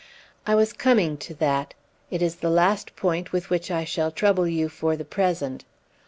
"I was coming to that; it is the last point with which I shall trouble you for the present."